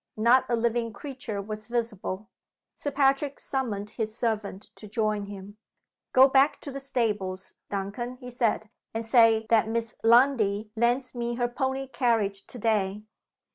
Not a living creature was visible. Sir Patrick summoned his servant to join him. "Go back to the stables, Duncan," he said, "and say that Miss Lundie lends me her pony carriage to day.